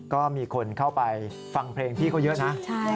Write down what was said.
ก็มีคนเข้าไปฟังเพลงพี่เขาเยอะนะ